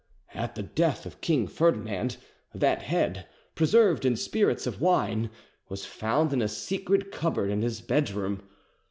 At the death of King Ferdinand, that, head, preserved in spirits of wine, was found in a secret cupboard in his bedroom.